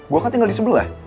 gue kan tinggal di sebelah